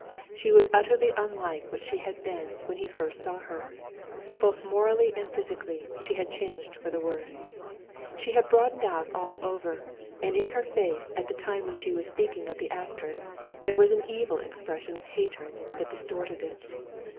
She was utterly unlike what she had been when he first saw her. Both morally and physically she had changed for the worse. She had broadened out all over, and in her face at the time when she was speaking of the actress there was an evil expression of hatred that distorted it.